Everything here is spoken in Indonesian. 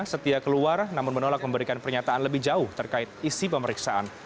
setia keluar namun menolak memberikan pernyataan lebih jauh terkait isi pemeriksaan